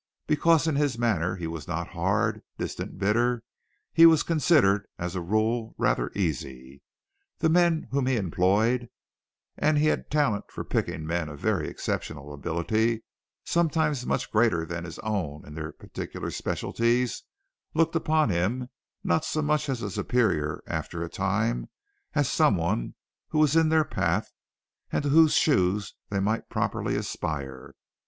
Because in his manner he was not hard, distant, bitter, he was considered, as a rule, rather easy. The men whom he employed, and he had talent for picking men of very exceptional ability, sometimes much greater than his own in their particular specialties, looked upon him not so much as a superior after a time, as someone who was in their path and to whose shoes they might properly aspire.